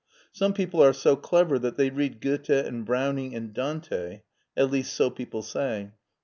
Some people are so clever that they read Goethe and Browning and Dante — ^at least so people say.